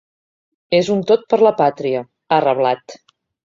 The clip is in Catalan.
“És un tot per la pàtria”, ha reblat.